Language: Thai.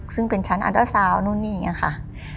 ซึ่งเป็นชั้นอันตราซาวน์นู่นนี่อย่างนี้ค่ะ